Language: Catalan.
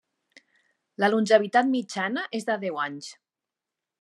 La longevitat mitjana és de deu anys.